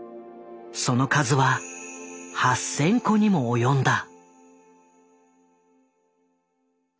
その数は８，０００個にも及んだ。